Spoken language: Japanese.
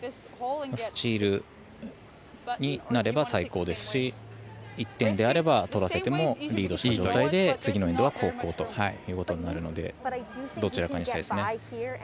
スチールになれば最高ですし１点であれば取らせてもリードしているので次のエンドは後攻ということになるのでどちらかにしたいですね。